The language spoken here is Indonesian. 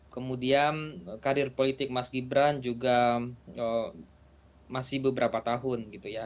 kemudian karir politik mas gibran juga masih beberapa tahun gitu ya